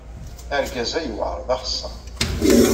Argaz-a yewɛeṛ d axeṣṣar.